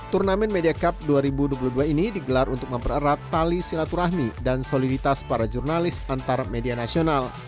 turnamen media cup dua ribu dua puluh dua ini digelar untuk mempererat tali silaturahmi dan soliditas para jurnalis antar media nasional